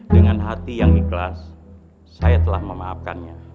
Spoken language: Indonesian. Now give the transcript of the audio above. dengan hati yang ikhlas saya telah memaafkannya